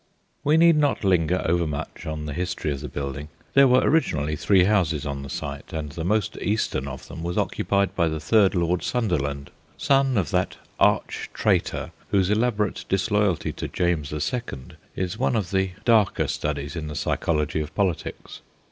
We need not linger overmuch on the history of the building. There were origin ally three houses on the site, and the most eastern of them was occupied by the third Lord Sunderland, son of that arch traitor whose elaborate disloyalty to James the Second is one of the darker studies in the psychology of politics.